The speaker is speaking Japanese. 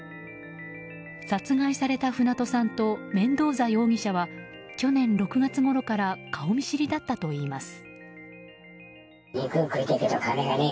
殺害された船戸さんとメンドーザ容疑者は去年６月ごろから顔見知りだったといいます。